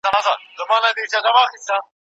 څوک به د خوشال له توري ومینځي زنګونه